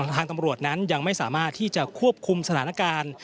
ทางตำรวจนั้นยังไม่สามารถที่จะควบคุมสถานการณ์